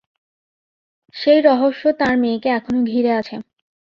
সেই রহস্য তাঁর মেয়েকে এখনো ঘিরে আছে।